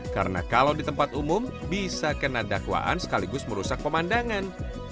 karena kalau di tempat umum bisa kena dakwaan sekaligus merusak pemandangan